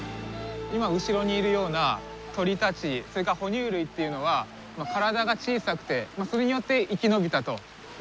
今後ろにいるような鳥たちそれから哺乳類というのは体が小さくてそれによって生き延びたといわれてるわけですよね。